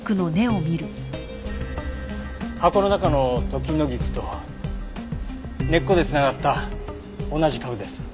箱の中のトキノギクと根っこで繋がった同じ株です。